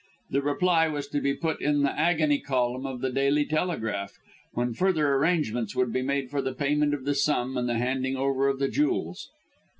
The reply was to be put in the agony column of the Daily Telegraph, when further arrangements would be made for the payment of the sum and the handing over of the jewels.